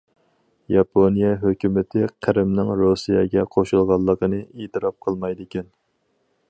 ياپونىيە ھۆكۈمىتى قىرىمنىڭ رۇسىيەگە قوشۇلغانلىقىنى ئېتىراپ قىلمايدىكەن.